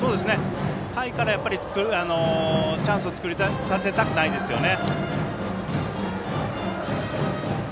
下位からチャンスを作らせたくないですよね。